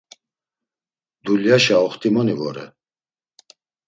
Dulyaşa oxtimoni vore.